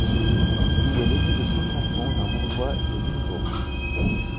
Il est l'aîné des cinq enfants d'un bourgeois de Lunebourg.